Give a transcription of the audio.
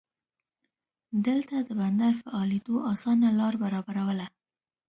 دلته د بندر فعالېدو اسانه لار برابرواله.